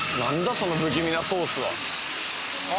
その不気味なソースは。